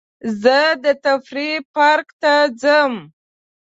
زه د تفریح پارک ته ځم.